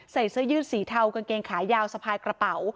เสื้อยืดสีเทากางเกงขายาวสะพายกระเป๋า